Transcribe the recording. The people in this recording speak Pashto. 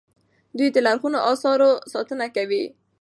دوی د لرغونو اثارو ساتنه کوي.